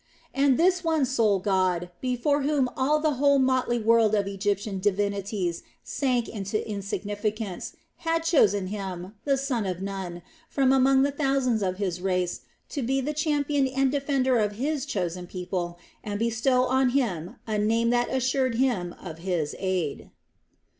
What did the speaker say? And this one sole God, before whom all the whole motley world of Egyptian divinities sank into insignificance, had chosen him, the son of Nun, from among the thousands of his race to be the champion and defender of His chosen people and bestowed on him a name that assured him of His aid.